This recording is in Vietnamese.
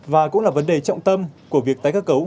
và cũng là vấn đề trọng tâm của việc tái cơ cấu